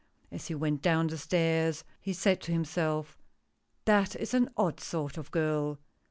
As he went down the stairs, he said to himself: " That is an odd sort of girl